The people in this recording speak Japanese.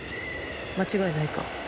間違いないか？